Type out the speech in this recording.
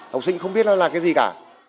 học sinh không biết nó là cái gì cả